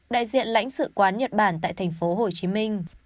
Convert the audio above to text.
đại diện lãnh sự quán nhật bản tại thành phố hồ chí minh